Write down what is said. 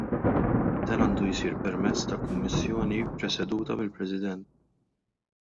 Dan għandu jsir permezz ta' kummisjoni preseduta mill-President.